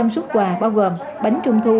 năm trăm linh xuất quà bao gồm bánh trung thu